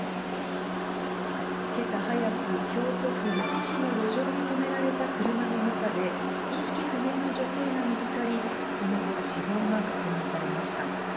けさ早く、京都府宇治市の路上に止められた車の中で、意識不明の女性が見つかり、その後、死亡が確認されました。